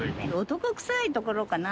男臭いところかな。